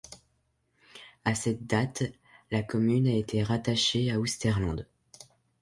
À cette date, la commune a été rattachée à Oosterland.